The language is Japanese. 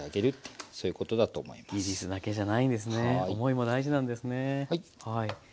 思いも大事なんですね。